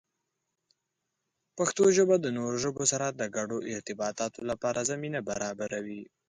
پښتو ژبه د نورو ژبو سره د ګډو ارتباطاتو لپاره زمینه برابروي.